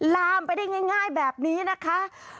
ลามไปได้ง่ายแบบนี้นะคะ